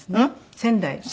仙台。